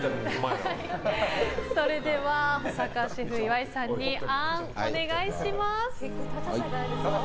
それでは保坂シェフ岩井さんにあーんお願いします。